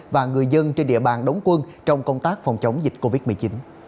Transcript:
và người dân trên địa bàn đóng quân trong công tác phòng chống dịch covid một mươi chín